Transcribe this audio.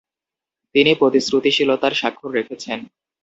তিনি প্রতিশ্রুতিশীলতার স্বাক্ষর রেখেছেন।